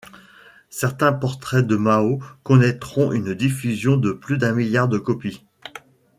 Certains portraits de Mao connaîtront une diffusion de plus d'un milliard de copies.